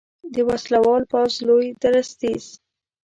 د وسلوال پوځ لوی درستیز